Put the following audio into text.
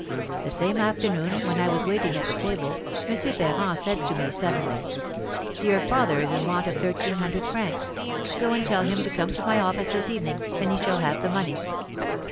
The same afternoon, when I was waiting at table, M. Ferrand said to me, suddenly, 'Your father is in want of thirteen hundred francs; go and tell him to come to my office this evening, and he shall have the money.'